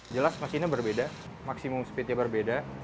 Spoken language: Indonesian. jelas mesinnya berbeda maksimum speednya berbeda